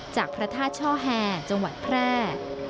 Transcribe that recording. พระธาตุช่อแฮจังหวัดแพร่